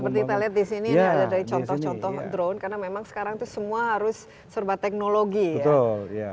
seperti kita lihat di sini dari contoh contoh drone karena memang sekarang itu semua harus serba teknologi ya